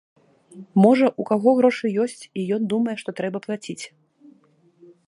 Можа, у каго грошы ёсць, і ён думае, што трэба плаціць.